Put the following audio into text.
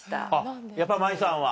やっぱ茉愛さんは。